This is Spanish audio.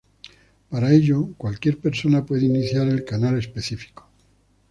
Para ello, cualquier persona puede iniciar el canal específico.